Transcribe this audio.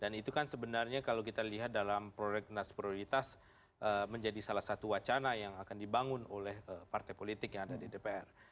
dan itu kan sebenarnya kalau kita lihat dalam proyek nas prioritas menjadi salah satu wacana yang akan dibangun oleh partai politik yang ada di dpr